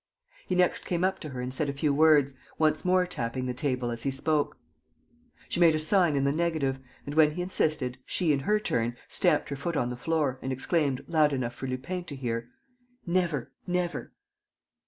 He next came up to her and said a few words, once more tapping the table as he spoke. She made a sign in the negative and, when he insisted, she, in her turn, stamped her foot on the floor and exclaimed, loud enough for Lupin to hear: "Never!... Never!..."